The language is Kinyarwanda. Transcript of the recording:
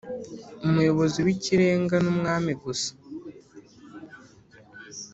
umuyobozi w’ikirenga n’umwami gusa,